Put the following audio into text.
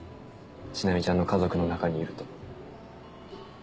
千波ちゃんの家族の中にいると。